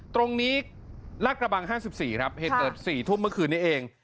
ตรงนี้ลาดกระบัง๕๔ครับเหตุเกิด๔ทุ่มเมื่อคืนนี้เอง